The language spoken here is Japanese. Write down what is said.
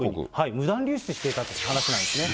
無断流出していたという話なんですね。